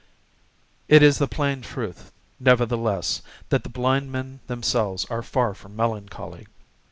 It is the plain truth, nevertheless, that the blind men themselves are far from melancholy.